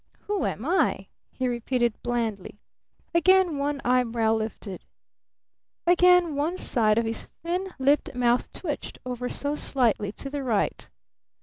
"Who am I?" he repeated blandly. Again one eyebrow lifted. Again one side of his thin lipped mouth twitched ever so slightly to the right.